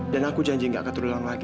dan aku janji gak akan terulang lagi